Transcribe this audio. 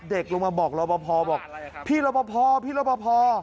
เด็กลงมาบอกรอบพบอกพี่รอบพพี่รอบพ